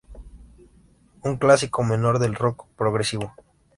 Un clásico menor del rock progresivo.